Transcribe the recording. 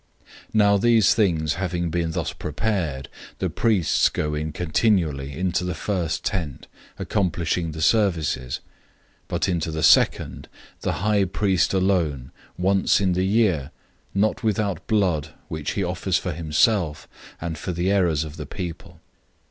009:006 Now these things having been thus prepared, the priests go in continually into the first tabernacle, accomplishing the services, 009:007 but into the second the high priest alone, once in the year, not without blood, which he offers for himself, and for the errors of the people.